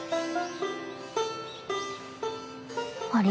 あれ？